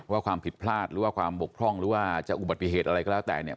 ความผิดพลาดหรือว่าความบกพร่องหรือว่าจะอุบัติเหตุอะไรก็แล้วแต่เนี่ย